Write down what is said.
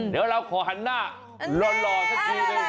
เดี๋ยวเราขอหันหน้าหล่อสักทีหนึ่ง